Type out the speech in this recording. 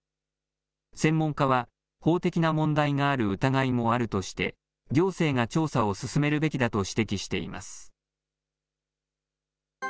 専門家は法的な問題がある疑いもあるとして、行政が調査を進めるべきだと指摘しています。